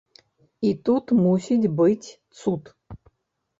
І тут мусіць быць цуд.